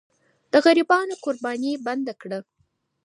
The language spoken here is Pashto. د غریبانو قرباني بنده کړه.